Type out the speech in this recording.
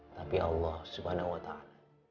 tapi allah subhanahu wa ta'ala